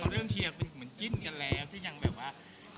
เรื่องเชียร์เป็นเหมือนจิ้นกันแล้วที่ยังแบบว่า